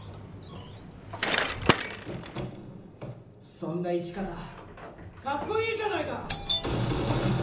そんな生き方かっこいいじゃないか！